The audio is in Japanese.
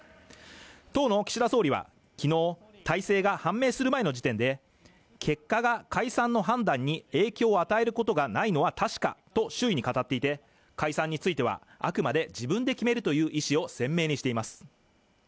当の岸田総理は昨日体制が判明する前の時点で結果が解散の判断に影響を与えることがないのは確かと周囲に語っていて、解散については、あくまで自分で決めるという意志を鮮明にしています。